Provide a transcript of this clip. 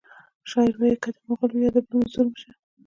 شاعر وایی که د مغل وي یا د بل مزدور مه شه